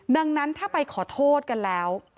ดังนั้นถ้าไปขอโทษกันแล้ว